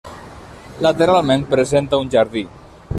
Lateralment presenta un jardí.